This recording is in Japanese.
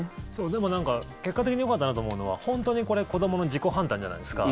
でも結果的によかったなと思うのは本当にこれ、子どもの自己判断じゃないですか。